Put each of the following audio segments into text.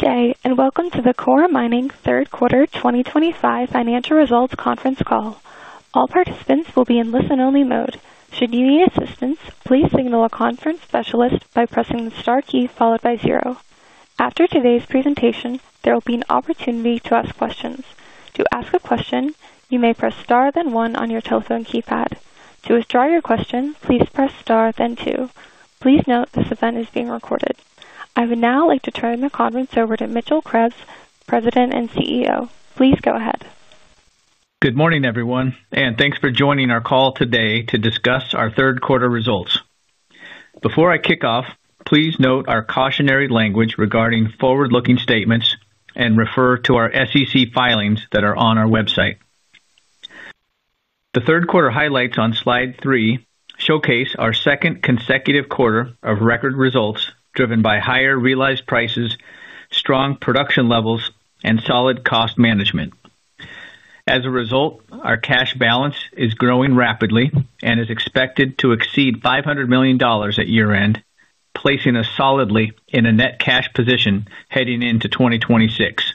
Good day and welcome to the Coeur Mining Third Quarter 2025 Financial Results Conference Call. All participants will be in listen-only mode. Should you need assistance, please signal a conference specialist by pressing the star key followed by zero. After today's presentation, there will be an opportunity to ask questions. To ask a question, you may press star then one on your telephone keypad. To withdraw your question, please press star then two. Please note this event is being recorded. I would now like to turn the conference over to Mitchell Krebs, President and CEO. Please go ahead. Good morning everyone and thanks for joining our call today to discuss our third quarter results. Before I kick off, please note our cautionary language regarding forward-looking statements and refer to our SEC filings that are on our website. The third quarter highlights on Slide 3 showcase our second consecutive quarter of record results driven by higher realized prices, strong production levels, and solid cost management. As a result, our cash balance is growing rapidly and is expected to exceed $500 million at year end, placing us solidly in a net cash position heading into 2026.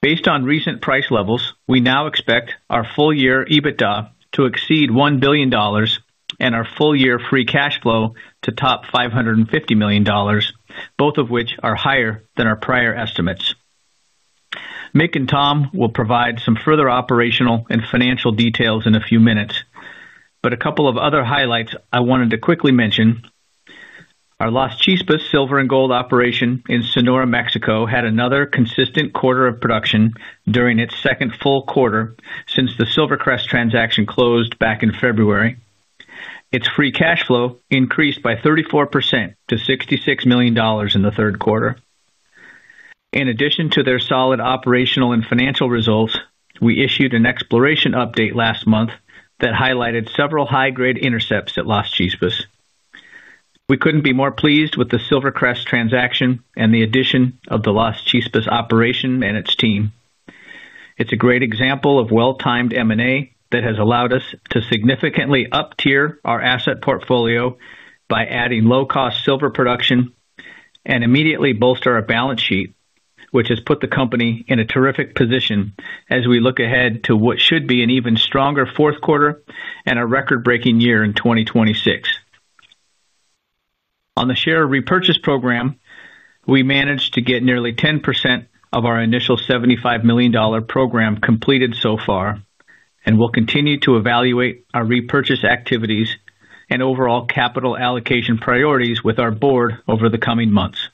Based on recent price levels, we now expect our full year EBITDA to exceed $1 billion and our full year free cash flow to top $550 million, both of which are higher than our prior estimates. Mick and Tom will provide some further operational and financial details in a few minutes, but a couple of other highlights I wanted to quickly mention. Our Las Chispas silver and gold operation in Sonora, Mexico had another consistent quarter of production during its second full quarter. Since the SilverCrest transaction closed back in February, its free cash flow increased by 34% to $66 million in the third quarter. In addition to their solid operational and financial results, we issued an exploration update last month that highlighted several high-grade intercepts at Las Chispas. We couldn't be more pleased with the SilverCrest transaction and the addition of the Las Chispas operation and its team. It's a great example of well-timed M and A that has allowed us to significantly up-tier our asset portfolio by adding low-cost silver production and immediately bolster our balance sheet, which has put the company in a terrific position as we look ahead to what should be an even stronger fourth quarter and a record-breaking year in 2026. On. The share repurchase program. We managed to get nearly 10% of our initial $75 million program completed so far, and we'll continue to evaluate our repurchase activities and overall capital allocation priorities with our board over the coming months.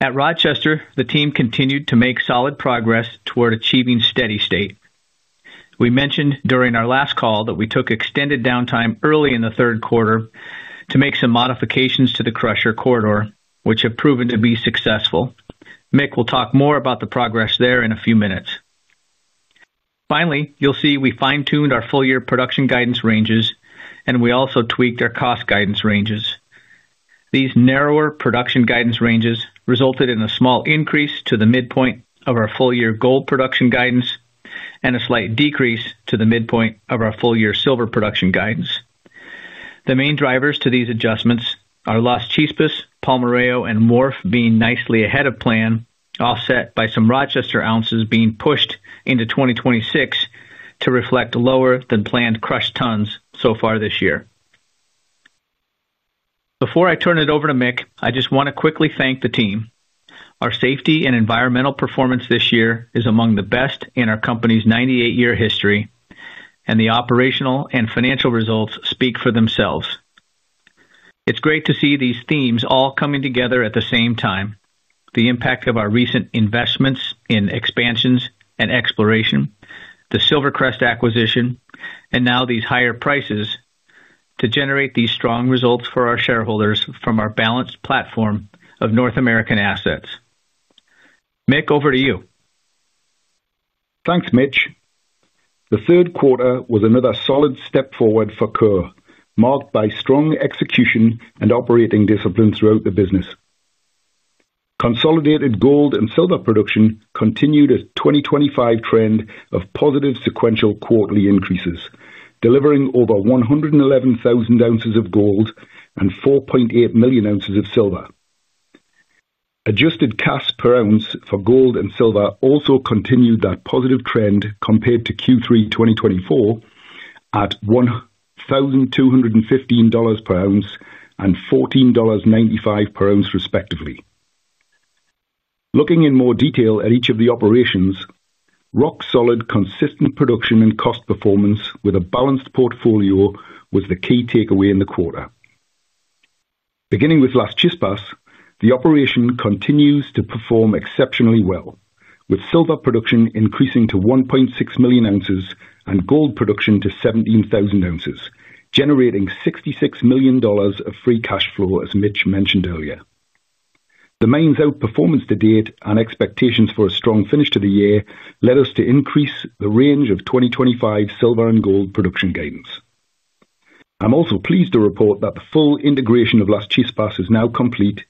At Rochester, the team continued to make solid progress toward achieving steady state. We mentioned during our last call that we took extended downtime early in the third quarter to make some modifications to the crusher corridor, which have proven to be successful. Mick will talk more about the progress there in a few minutes. Finally, you'll see we fine-tuned our full year production guidance ranges, and we also tweaked our cost guidance ranges. These narrower production guidance ranges resulted in a small increase to the midpoint of our full year gold production guidance and a slight decrease to the midpoint of our full year silver production guidance. The main drivers to these adjustments are Las Chispas, Palmarejo, and Wharf being nicely ahead of plan, offset by some Rochester ounces being pushed into 2026 to reflect lower than planned crushed tons so far this year. Before I turn it over to Mick, I just want to quickly thank the team. Our safety and environmental performance this year is among the best in our company's 98-year history, and the operational and financial results speak for themselves. It's great to see these themes all coming together at the same time. The impact of our recent investments in expansions and exploration, the SilverCrest acquisition, and now these higher prices to generate these strong results for our shareholders from our balanced platform of North American assets. Mick, over to you. Thanks Mitch. The third quarter was another solid step forward for Coeur, marked by strong execution and operating discipline throughout the business. Consolidated gold and silver production continued a 2025 trend of positive sequential quarterly increases, delivering over 111,000 oz of gold and 4.8 million oz of silver. Adjusted cash per ounce for gold and silver also continued that positive trend compared to Q3 2024 at $1,215 per ounce and $14.95 per ounce, respectively. Looking in more detail at each of the operations, rock solid consistent production and cost performance with a balanced portfolio was the key takeaway in the quarter. Beginning with Las Chispas, the operation continues to perform exceptionally well, with silver production increasing to 1.6 million ounces and gold production to 17,000 oz, generating $66 million of free cash flow. As Mitch mentioned earlier, the mine's outperformance to date and expectations for a strong finish to the year led us to increase the range of 2025 silver and gold production guidance. I'm also pleased to report that the full integration of Las Chispas is now complete.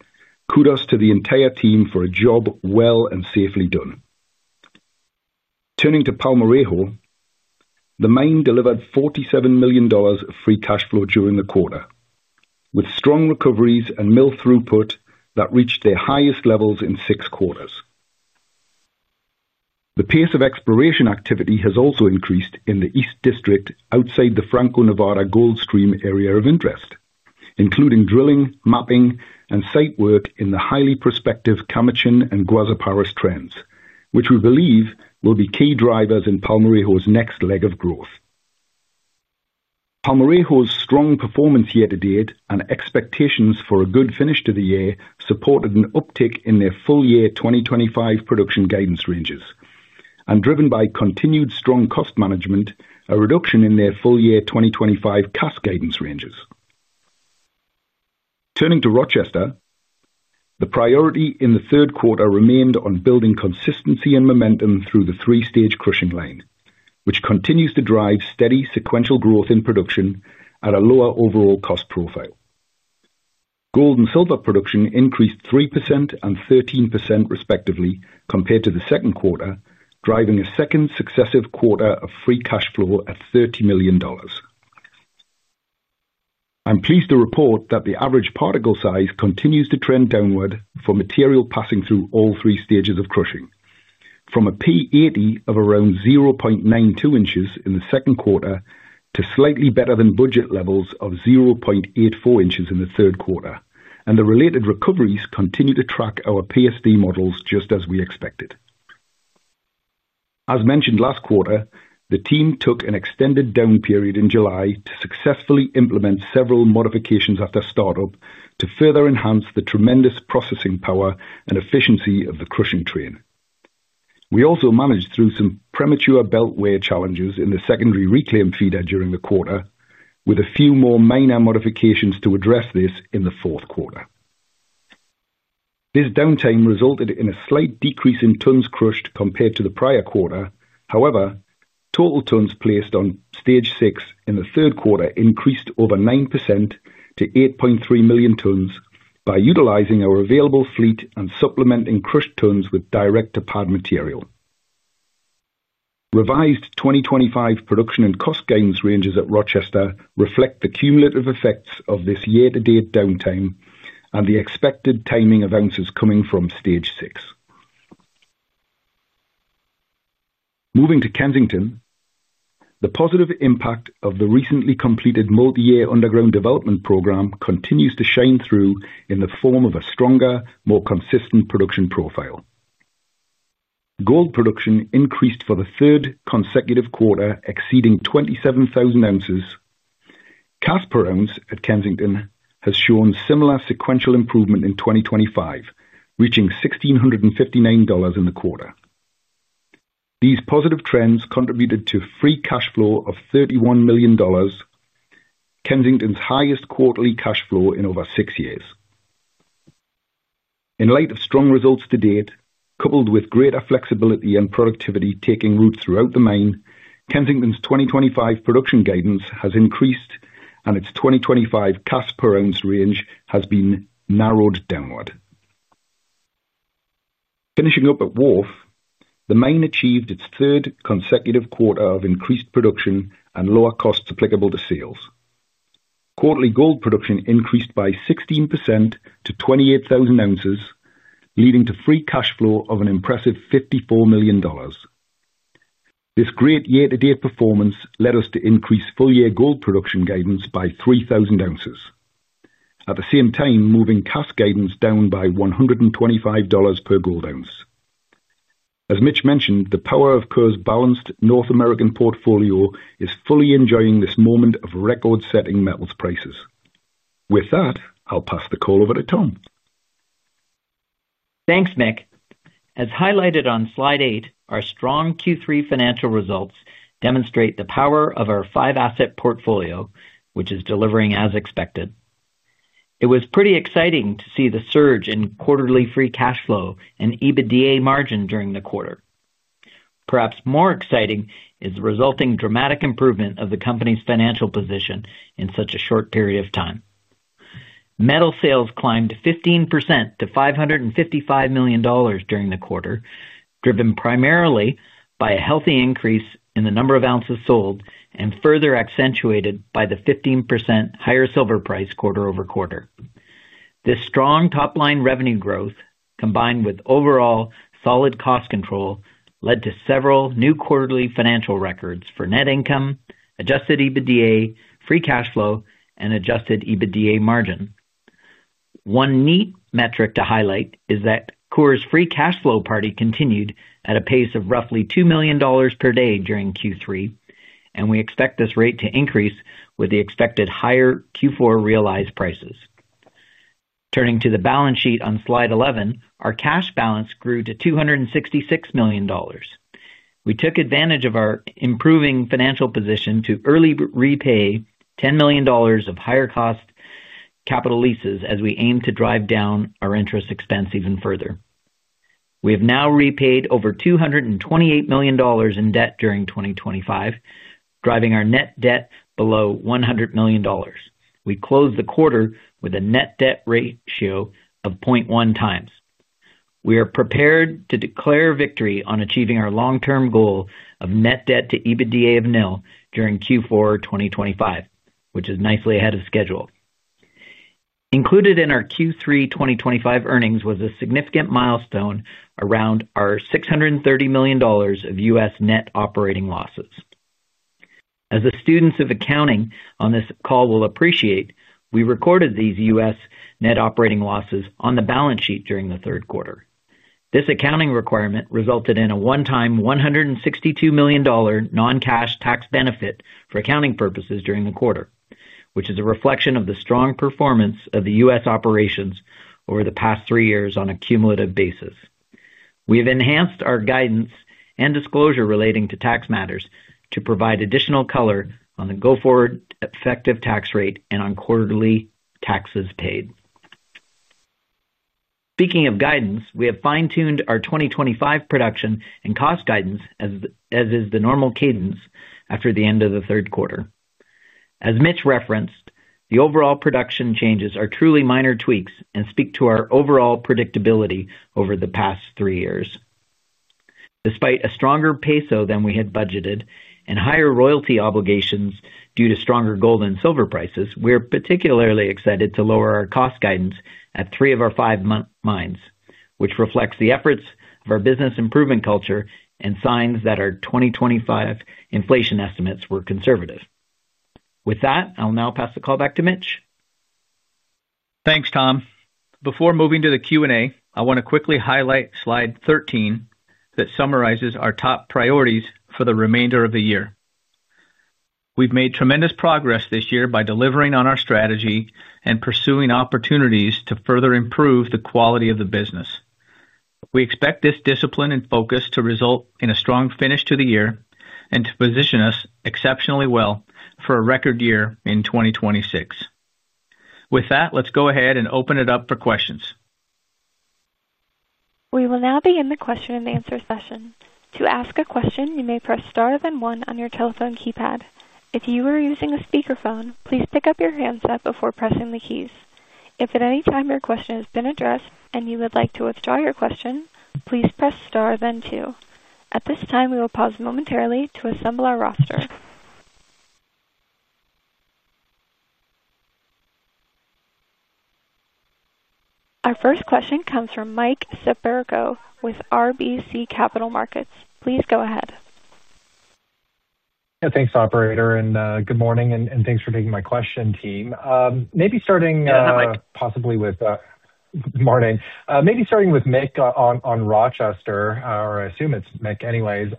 Kudos to the entire team for a job well and safely done. Turning to Palmarejo, the mine delivered $47 million of free cash flow during the quarter with strong recoveries and mill throughput that reached their highest levels in six quarters. The pace of exploration activity has also increased in the east district outside the Franco-Nevada Goldstream area of interest, including drilling, mapping, and site work in the highly prospective Camachin and Guazaparas trends, which we believe will be key drivers in Palmarejo's next leg of growth. Palmarejo's strong performance year to date and expectations for a good finish to the year supported an uptick in their full year 2025 production guidance ranges and, driven by continued strong cost management, a reduction in their full year 2025 CASS guidance ranges. Turning to Rochester, the priority in the third quarter remained on building consistency and momentum through the three stage crushing line, which continues to drive steady sequential growth in production at a lower overall cost profile. Gold and silver production increased 3% and 13%, respectively, compared to the second quarter, driving a second successive quarter of free cash flow at $30 million. I'm pleased to report that the average particle size continues to trend downward for material passing through all three stages of crushing from a P80 of around 0.92 inches in the second quarter to slightly better than budget levels of 0.84 inches in the third quarter, and the related recoveries continue to track our PSD models just as we expected. As mentioned last quarter, the team took an extended down period in July to successfully implement several modifications after startup to further enhance the tremendous processing power and efficiency of the crushing train. We also managed through some premature belt wear challenges in the secondary reclaimed feeder during the quarter with a few more minor modifications to address this in the fourth quarter. This downtime resulted in a slight decrease in tonnes crushed compared to the prior quarter. However, total tonnes placed on stage six in the third quarter increased over 9% to 8.3 million tonnes by utilizing our available fleet and supplementing crushed tonnes with direct to pad material. Revised 2025 production and cost guidance ranges at Rochester reflect the cumulative effects of this year-to-date downtime and the expected timing of ounces coming from stage six moving to Kensington. The positive impact of the recently completed multi-year underground development program continues to shine through in the form of a stronger, more consistent production profile. Gold production increased for the third consecutive quarter, exceeding 27,000 oz. CAS per ounce at Kensington has shown similar sequential improvement in 2025, reaching $1,659 in the quarter. These positive trends contributed to free cash flow of $31 million, Kensington's highest quarterly cash flow in over six years. In light of strong results to date, coupled with greater flexibility and productivity taking root throughout the mine, Kensington's 2025 production guidance has increased and its 2025 CAS per ounce range has been narrowed downward. Finishing up at Wharf, the mine achieved its third consecutive quarter of increased production and lower costs applicable to sales. Quarterly gold production increased by 16% to 28,000 oz, leading to free cash flow of an impressive $54 million. This great year-to-date performance led us to increase full-year gold production guidance by 3,000 oz, at the same time moving CAS guidance down by $125 per gold ounce. As Mitch mentioned, the power of Coeur's balanced North American portfolio is fully enjoying this moment of record-setting metals prices. With that, I'll pass the call over to Tom. Thanks Mick. As highlighted on Slide 8, our strong Q3 financial results demonstrate the power of our five-asset portfolio which is delivering as expected. It was pretty exciting to see the surge in quarterly free cash flow and EBITDA margin during the quarter. Perhaps more exciting is the resulting dramatic improvement of the company's financial position in such a short period of time. Metal sales climbed 15% to $555 million during the quarter, driven primarily by a healthy increase in the number of ounces sold and further accentuated by the 15% higher silver price quarter over quarter. This strong top line revenue growth combined with overall solid cost control led to several new quarterly financial records for net income, adjusted EBITDA, free cash flow, and adjusted EBITDA margin. One neat metric to highlight is that Coeur's free cash flow party continued at a pace of roughly $2 million per day during Q3 and we expect this rate to increase with the expected higher Q4 realized prices. Turning to the balance sheet on Slide 11, our cash balance grew to $266 million. We took advantage of our improving financial position to early repay $10 million of higher cost capital leases as we aim to drive down our interest expense even further. We have now repaid over $228 million in debt during 2025, driving our net debt below $100 million. We closed the quarter with a net debt ratio of 0.1 times. We are prepared to declare victory on achieving our long-term goal of net debt to EBITDA of nil during Q4 2025, which is nicely ahead of schedule. Included in our Q3 2025 earnings was a significant milestone around our $630 million of U.S. net operating losses. As the students of accounting on this call will appreciate, we recorded these U.S. net operating losses on the balance sheet during the third quarter. This accounting requirement resulted in a one-time $162 million non-cash tax benefit for accounting purposes during the quarter, which is a reflection of the strong performance of the U.S. operations over the past three years. On a cumulative basis, we have enhanced our guidance and disclosure relating to tax matters to provide additional color on the go-forward effective tax rate and on quarterly taxes paid. Speaking of guidance, we have fine-tuned our 2025 production and cost guidance as is the normal cadence after the end. Of the third quarter. As Mitch referenced, the overall production changes are truly minor tweaks and speak to our overall predictability over the past three years. This is despite a stronger peso than we had budgeted and higher royalty obligations due to stronger gold and silver prices. We are particularly excited to lower our cost guidance at three of our five mines, which reflects the efforts of our business improvement culture and signs that our 2025 inflation estimates were conservative. With that, I'll now pass the call back to Mitch. Thanks, Tom. Before moving to the Q and A, I want to quickly highlight slide 13 that summarizes our top priorities for the remainder of the year. We've made tremendous progress this year by delivering on our strategy and pursuing opportunities to further improve the quality of the business. We expect this discipline and focus to result in a strong finish to the year and to position us exceptionally well for a record year in 2026. With that, let's go ahead and open it up for questions. We will now begin the question and answer session. To ask a question, you may press star, then one on your telephone keypad. If you are using a speakerphone, please pick up your handset before pressing the keys. If at any time your question has been addressed and you would like to withdraw your question, please press star then two. At this time, we will pause momentarily to assemble our roster. Our first question comes from Mick Siperco with RBC Capital Markets. Please go ahead. Thanks, operator, and good morning, and thanks for taking my question, team. Maybe starting possibly with Mick on Rochester, or I assume it's Mick anyways,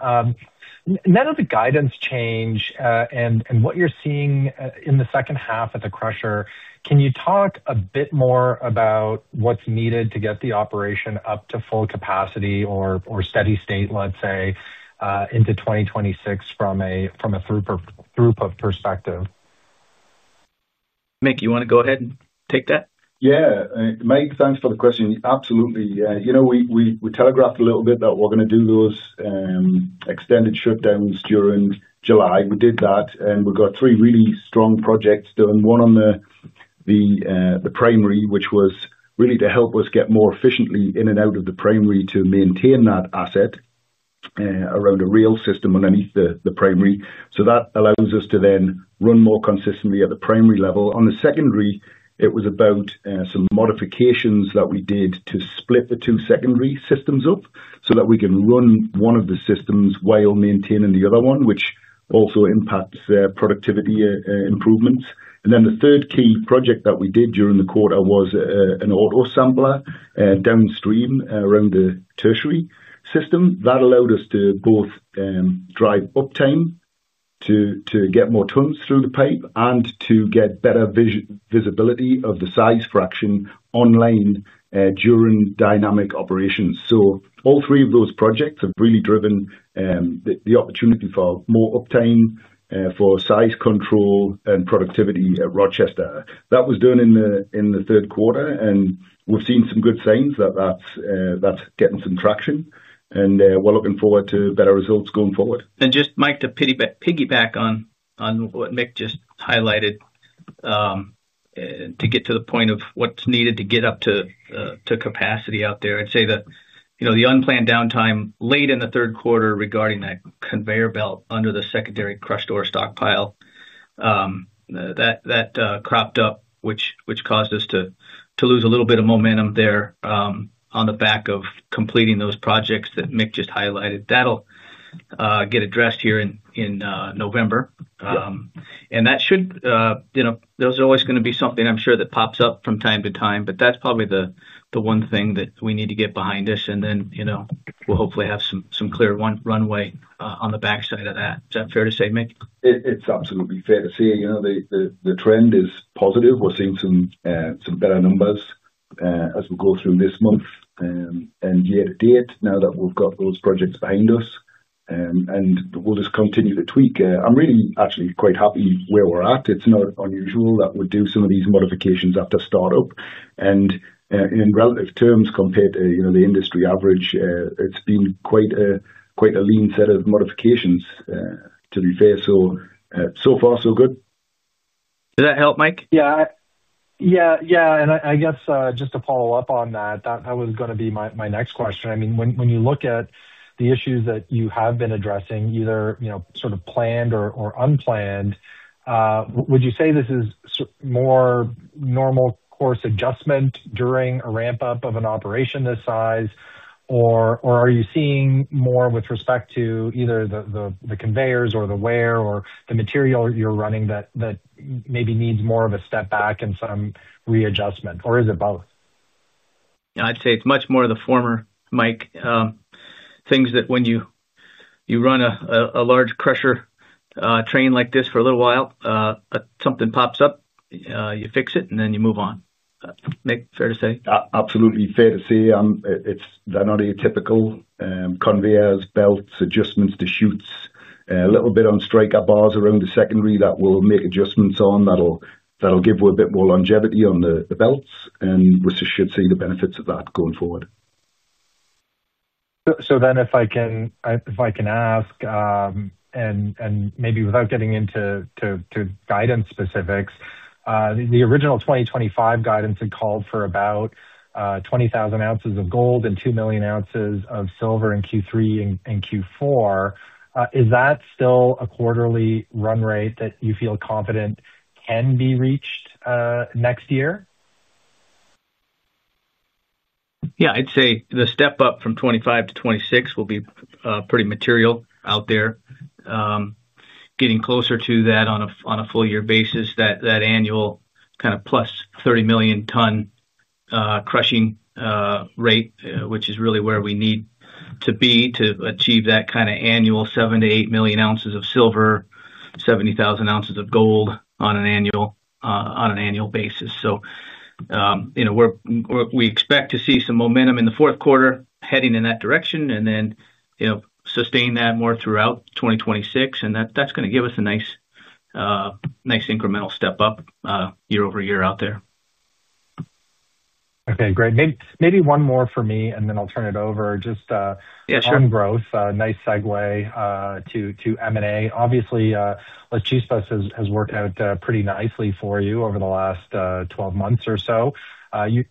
none of the guidance change and what you're seeing in the second half at the crusher. Can you talk a bit more about what's needed to get the operation up to full capacity or steady state, let's say into 2026 from a throughput perspective. Mick, you want to go ahead and take that? Yeah, Mike, thanks for the question. Absolutely. You know, we telegraphed a little bit that we're going to do those extended shutdowns during July. We did that and we got three really strong projects done: one on the primary, which was really to help us get more efficiently in and out of the primary, to maintain that asset around a real system underneath the primary. That allows us to then run more consistently at the primary level. On the secondary, it was about some modifications that we did to split the two secondary systems up so that we can run one of the systems while maintaining the other one, which also impacts productivity improvements. The third key project that we did during the quarter was an auto sampler downstream around the tertiary system that allowed us to both drive uptime to get more tonnes through the pipe and to get better visibility of the size fraction online during dynamic operations. All three of those projects have really driven the opportunity for more uptime for size control and productivity. At Rochester, that was done in the third quarter and we've seen some good signs that's getting some traction and we're looking forward to better results going forward. Mike, to piggyback on what Mick just highlighted, to get to the point of what's needed to get up to capacity out there, I'd say that the unplanned downtime late in the third quarter regarding that conveyor belt under the secondary crusher stockpile that cropped up, which caused us to lose a little bit of momentum there on the back of completing those projects that Mick just highlighted, that'll get addressed here in November and that should, you know, there's always going to be something, I'm sure, that pops up from time to time, but that's probably the one thing that we need to get behind us and then, you know, we'll hopefully have some clear runway on the backside of that. Is that fair to say, Mick? It's absolutely fair to say the trend is positive. We're seeing some better numbers as we go through this month and year to date. Now that we've got those projects behind us, we'll just continue to tweak. I'm really actually quite happy where we're at. It's not unusual that we do some of these modifications after startup. In relative terms, compared to the industry average, it's been quite a lean set of modifications, to be fair. So far, so good. Does that help, Mick? I guess just to follow up on that, that was going to be my next question. I mean, when you look at the issues that you have been addressing, either sort of planned or unplanned, would you say this is more normal course adjustment during a ramp up of an operation this size, or are you seeing more with respect to either the conveyors or the wear or the material you're running that maybe needs more of a step back and some readjustment, or is it both? I'd say it's much more the former. Mike, things that when you run a large pressure train like this for a little while, something pops up, you fix it and then you move on. Mick, fair to say? Absolutely fair to say. They're not your typical conveyors, belts, adjustments to chutes, a little bit on striker bars around the secondary that we'll make adjustments on that'll give a bit more longevity on the belts, and we should see the benefits of that going forward. If I can ask, and maybe without getting into guidance specifics, the original 2025 guidance had called for about 20,000 oz of gold and 2 million oz of silver in Q3 and Q4. Is that still a quarterly run rate that you feel confident can be reached next year? Yeah, I'd say the step up from 2025-2026 will be pretty material out there. Getting closer to that on a full year basis, that annual kind of plus 30 million ton crushing rate, which is really where we need to be to achieve that kind of annual 7 million oz-8 million oz of silver, 70,000 oz of gold on an annual basis. We expect to see some momentum in the fourth quarter heading in that direction and then sustain that more throughout 2026. That's going to give us a nice incremental step up year over year out there. Okay, great. Maybe one more for me and then I'll turn it over. Just one growth. Nice segue to M&A. Obviously Las Chispas has worked out pretty nicely for you over the 12 months or so. You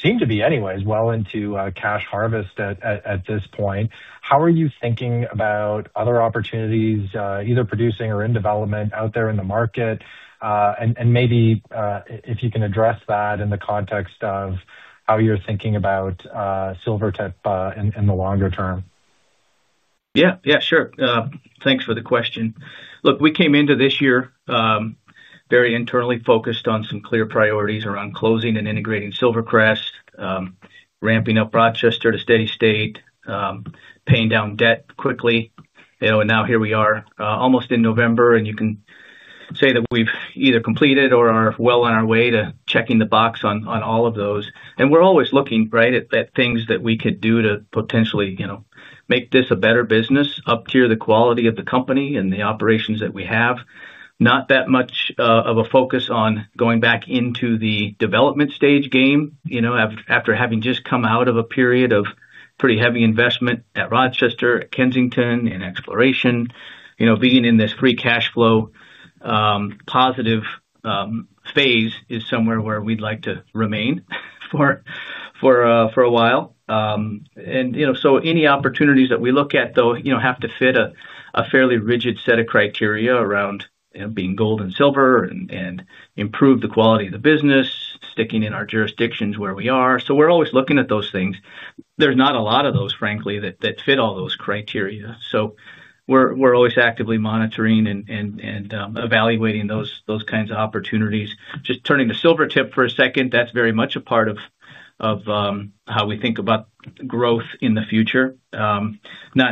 seem to be, anyways, well into cash harvest at this point. How are you thinking about other opportunities, either producing or in development, out there in the market? Maybe if you can address that in the context of how you're thinking about Silvertip in the longer term. Yeah, sure. Thanks for the question. Look, we came into this year very internally focused on some clear priorities around closing and integrating SilverCrest, ramping up Rochester to steady state, paying down debt quickly. Now here we are almost in November and you can say that we've either completed or are well on our way to checking the box on all of those. We're always looking right at things that we could do to potentially make this a better business, up to the quality of the company and the operations that we have. Not that much of a focus on going back into the development stage game after having just come out of a period of pretty heavy investment at Rochester, at Kensington and exploration. Being in this free cash flow positive phase is somewhere where we'd like to remain for a while. Any opportunities that we look at, though, have to fit a fairly rigid set of criteria around being gold and silver and improve the quality of the business, sticking in our jurisdictions where we are. We're always looking at those things. There's not a lot of those, frankly, that fit all those criteria. We're always actively monitoring and evaluating those kinds of opportunities. Just turning to Silvertip for a second, that's very much a part of how we think about growth in the future. Not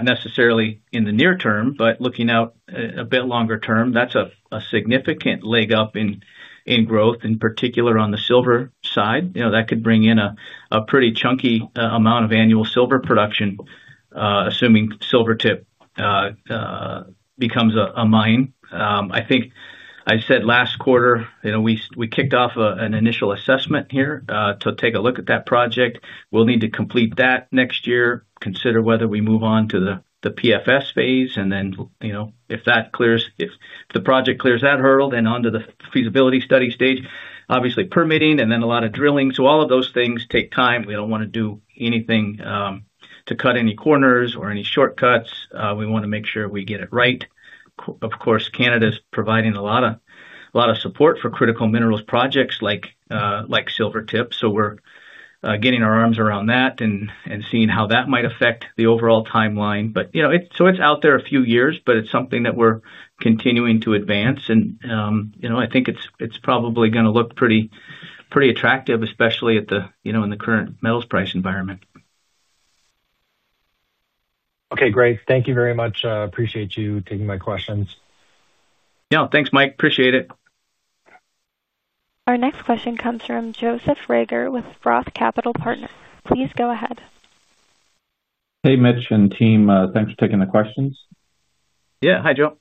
necessarily in the near term, but looking out a bit longer term, that's a significant leg up in growth in particular on the silver side. That could bring in a pretty chunky amount of annual silver production, assuming Silvertip becomes a mine. I think I said last quarter we kicked off an initial assessment here to take a look at that project. We'll need to complete that next year, consider whether we move on to the PFS phase and then, if that clears, if the project clears that hurdle, then onto the feasibility study stage, obviously permitting and then a lot of drilling. All of those things take time. We don't want to do anything to cut any corners or any shortcuts. We want to make sure we get it right. Of course, Canada is providing a lot of support for critical minerals projects like Silvertip. We're getting our arms around that and seeing how that might affect the overall timeline. It's out there a few years, but it's something that we're continuing to advance and I think it's probably going to look pretty attractive, especially in the current metals price environment. Okay, great. Thank you very much. Appreciate you taking my questions. Yeah, thanks, Mike. Appreciate it. Our next question comes from Joseph Reagor with ROTH Capital Partners. Please go ahead. Hey, Mitch and team, thanks for taking the questions. Yeah. Hi, Joe.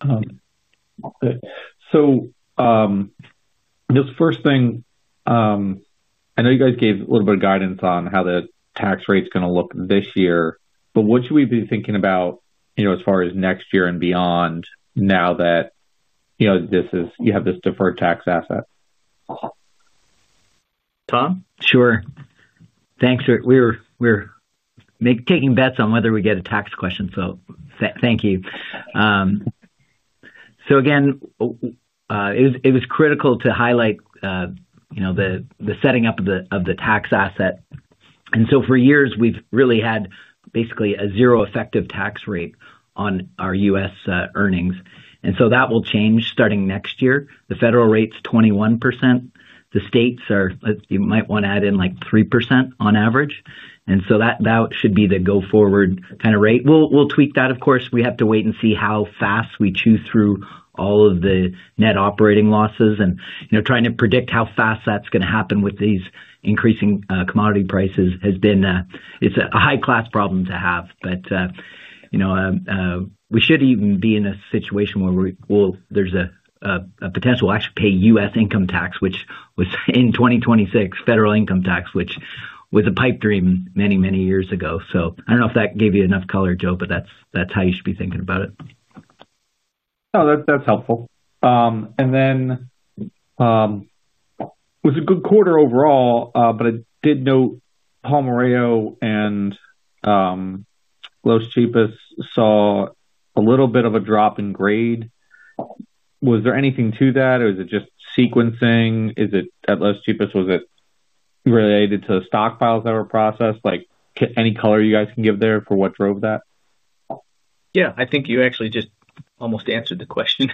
The first thing, I know you. Guys gave a little bit of guidance. On how the tax rate's going to look this year, what should we be thinking about as far as next year and beyond, now that. You know this is, you have this. Deferred tax asset. Tom. Sure. Thanks. We're taking bets on whether we get a tax question. Thank you. It was critical to highlight the setting up of the tax asset. For years we've really had basically a zero effective tax rate on our U.S. earnings. That will change starting next year. The federal rate is 21%. The states are, you might want to add in like 3% on average. That should be the go forward kind of rate. We'll tweak that. Of course, we have to wait and see how fast we chew through all of the net operating losses. Trying to predict how fast that's going to happen with these increasing commodity prices has been, it's a high class problem to have. We should even be in a situation where there's a potential to actually pay U.S. income tax, which was in 2026 federal income tax, which was a pipe dream many, many years ago. I don't know if that gave you enough color, Joe, but that's how you should be thinking about it. That's helpful. And then. was a good quarter overall. I did note Palmarejo and Las Chispas saw a little bit of a drop in grade. Was there anything to that or is it just sequencing? Is it at Las Chispas, was it. Related to stockpiles that were processed. Any color you guys can give there? What drove that? Yeah, I think you actually just almost answered the question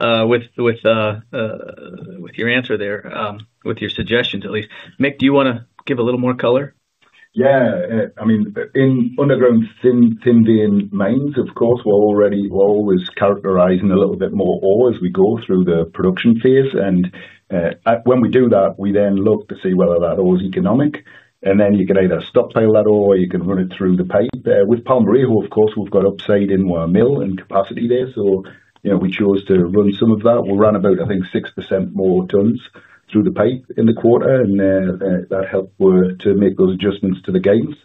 with your answer there, with your suggestions at least. Mick, do you want to give a little more color? Yeah, I mean in underground thin vein mines, of course, we're always characterizing a little bit more ore as we go through the production phase. When we do that, we then look to see whether that ore is economic. You can either stockpile that ore or you can run it through the pipe with Palmarejo. Of course, we've got upside in one mill and capacity there. You know, we chose to run some of that. We ran about, I think, 6% more tonnes through the pipe in the quarter and that helped to make those adjustments to the gains.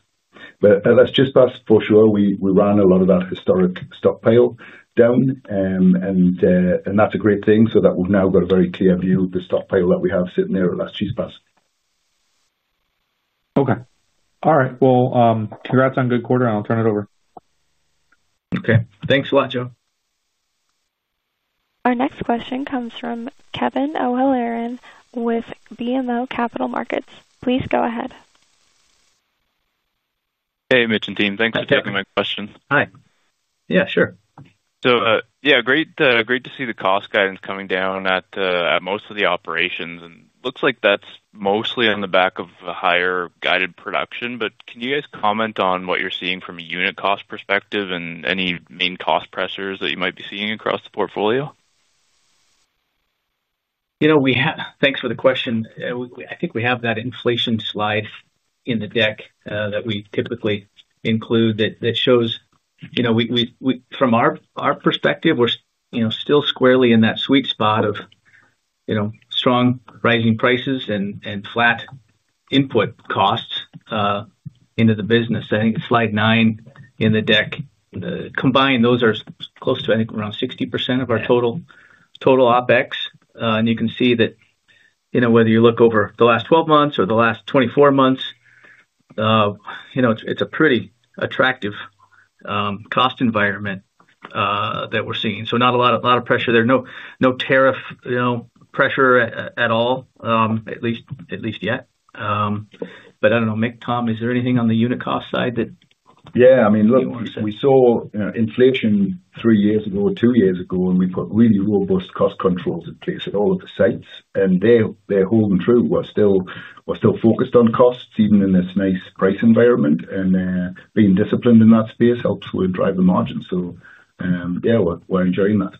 That's just past for sure. We ran a lot of that historic stockpile down and that's a great thing, so that we've now got a very clear view of the stockpile that we have sitting there at last. Cheese Pass. Okay. All right, congrats on good quarter. I'll turn it over. Okay, thanks a lot, Joe. Our next question comes from Kevin O'Halloran with BMO Capital Markets. Please go ahead. Hey, Mitch and team, thanks for taking my question. Hi, yeah, sure. Great to see the cost guidance coming down at most of the operations, and looks like that's mostly on the back of higher guided production. Can you guys comment on what you're seeing from a unit cost perspective and any cost pressures that you might be seeing across the portfolio? Thanks for the question. I think we have that inflation slide in the deck that we typically include that shows, from our perspective, we're still squarely in that sweet spot of strong rising prices and flat input costs into the business. I think slide nine in the deck combined, those are close to, I think, around 60% of our total OpEx. You can see that whether you look over the last 12 months or the last 24 months, it's a pretty attractive cost environment that we're seeing. Not a lot of pressure there. No tariff pressure at all, at least yet. I don't know. Mick, Tom, is there anything on the unit cost side that. Yeah, I mean, look, we saw inflation three years ago or two years ago, and we put really robust cost controls in place at all of the sites, and they're holding true. We're still focused on costs even in this nice price environment, and being disciplined in that space helps drive the margin. Yeah, we're enjoying that.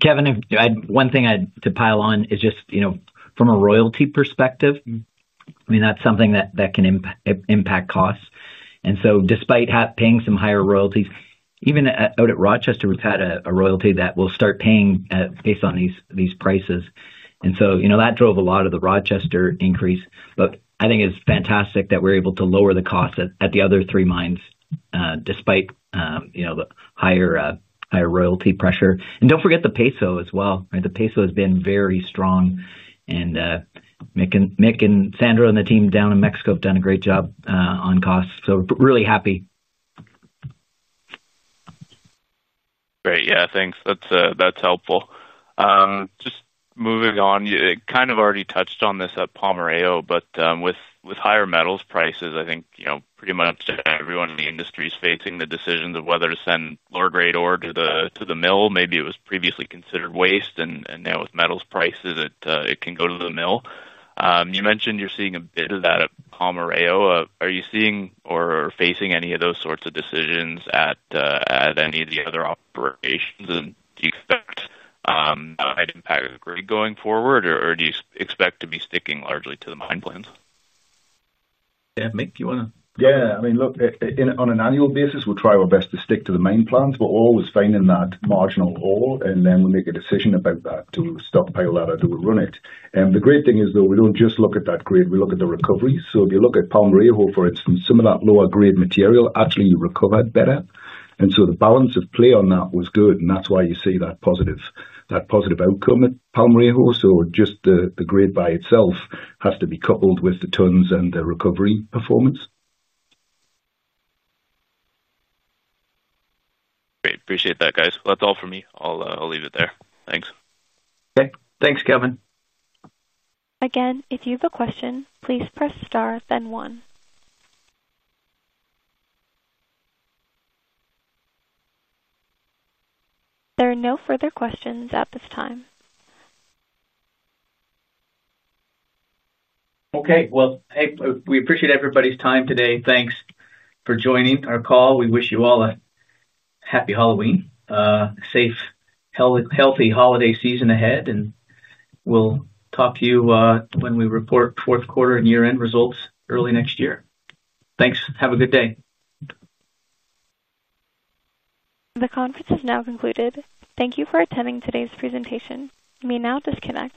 Kevin, one thing to pile on is just, you know, from a royalty perspective, I mean, that's something that can impact costs. Despite paying some higher royalties, even out at Rochester, we've had a royalty that will start paying based on these prices. That drove a lot of the Rochester increase. I think it's fantastic that we're able to lower the cost at the other three mines despite the higher royalty pressure. Don't forget the peso as well. The peso has been very strong and Mick and Sandro and the team down in Mexico have done a great job on costs. Really happy. Great. Yeah, thanks, that's helpful. Just moving on. Kind of already touched on this at Palmarejo, but with higher metals prices, I think pretty much everyone in the industry is facing the decisions of whether to send lower grade ore to the mill. Maybe it was previously considered waste and now with metals prices, it can go to the mill. You mentioned you're seeing a bit of that at Palmarejo. Are you seeing or facing any of those sorts of decisions at any of the other operations? Do you expect that going forward or do you expect to be sticking largely to the mine plans? Yeah, Mick, you want to. Yeah, I mean look, on an annual basis we'll try our best to stick to the main plans, but always finding that marginal ore and then we make a decision about that to stockpile that or do we run it. The great thing is though we don't just look at that grade, we look at the recovery. If you look at Palmarejo, for instance, some of that lower grade material actually recovered better. The balance of play on that was good and that's why you see that positive, that positive outcome. Palmarejo or just the grade by itself has to be coupled with the tonnes and the recovery performance. Great, appreciate that, guys. That's all for me. I'll leave it there, thanks. Okay, thanks Kevin. Again, if you have a question, please press star then one. There are no further questions at this time. Okay, we appreciate everybody's time today. Thanks for joining our call. We wish you all a happy Halloween, safe, healthy holiday season ahead, and we'll talk to you when we report fourth quarter and year end results early next year. Thanks, have a good day. The conference has now concluded. Thank you for attending today's presentation. You may now disconnect.